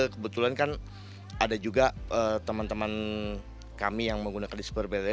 kebetulan kan ada juga teman teman kami yang menggunakan display braille